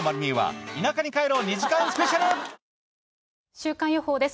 週間予報です。